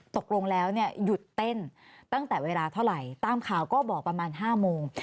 ตกลงแล้วเนี่ยหยุดเต้นตั้งแต่เวลาเท่าไหร่ตามข่าวก็บอกประมาณ๕โมง